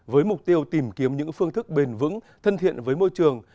với mục tiêu tìm kiếm những phương thức bền vững thân thiện với môi trường